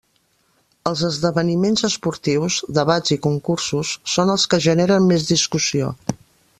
Els esdeveniments esportius, debats i concursos són els que generen més discussió.